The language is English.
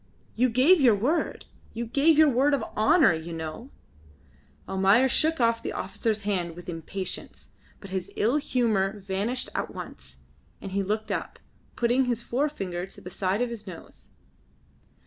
You gave your word. You gave your word of honour, you know." Almayer shook off the officer's hand with impatience, but his ill humour vanished at once, and he looked up, putting his forefinger to the side of his nose.